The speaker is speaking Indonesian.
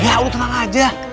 ya tenang aja